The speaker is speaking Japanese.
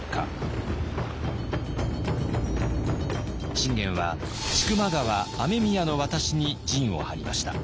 信玄は千曲川雨宮の渡しに陣を張りました。